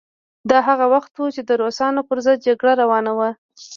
دا هغه وخت و چې د روسانو پر ضد جګړه روانه وه.